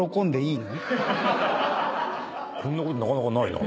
こんなことなかなかない。